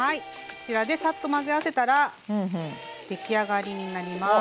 こちらでサッと混ぜ合わせたら出来上がりになります。